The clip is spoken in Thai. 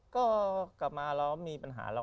ก็กลับมาเรามีปัญหา